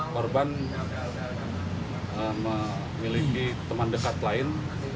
korban memiliki teman dekat lain